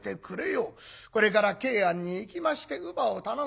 これから桂庵に行きまして乳母を頼んでくる。